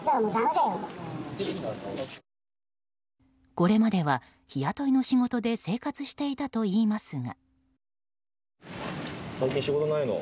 これまでは日雇いの仕事で生活していたといいますが。